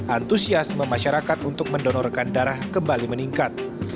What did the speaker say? antusiasme masyarakat untuk mendonorkan darah kembali meningkat